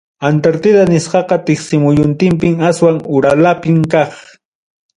Antartida nisqaqa Tiksimuyuntinpi aswan uralanpi kaq.